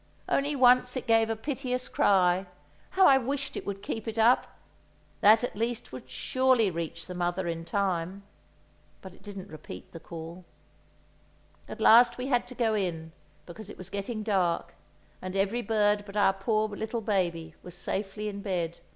Only once it gave a piteous cry; how I wished it would keep it up! That at least would surely reach the mother in time. But it didn't repeat the call. At last we had to go in, because it was getting dark, and every bird but our poor little baby was safely in bed.